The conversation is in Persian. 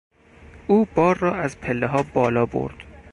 او بار را از پلهها بالا برد.